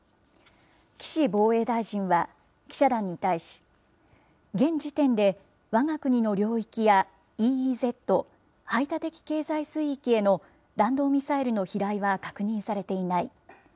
岸防衛大臣は記者団に対し、現時点でわが国の領域や、ＥＥＺ・排他的経済水域への弾道ミサイルの飛来は確認されていない。